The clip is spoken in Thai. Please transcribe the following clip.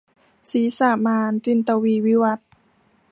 ศีรษะมาร - จินตวีร์ วิวัธน์